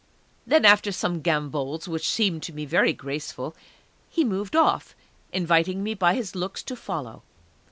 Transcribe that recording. Then, after some gambols, which seemed to me very graceful, he moved off, inviting me by his looks to follow.